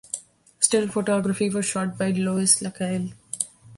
Stills photography was shot by Louise Lacaille.